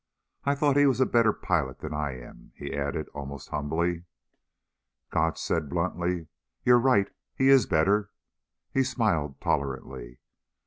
I thought he was a better pilot than I am," he added almost humbly. Gotch said bluntly: "You're right. He is better." He smiled tolerantly.